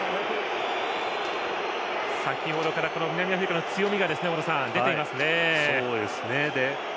先程から南アフリカの強みが大野さん、出ていますね。